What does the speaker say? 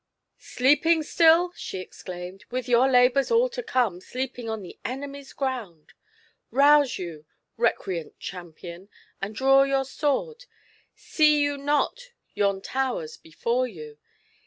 "Sleeping still!" she exclaimed, " with your labours all to come — sleeping on the enemy's ground ! Rouse 3^ou, recreant champion, and draw your sword ; see you not yon towers before you